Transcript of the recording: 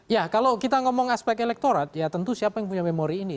ya kalau kita ngomong aspek elektorat ya tentu siapa yang punya memori ini